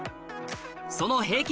その平均